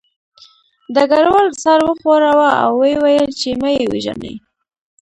ډګروال سر وښوراوه او ویې ویل چې مه یې وژنئ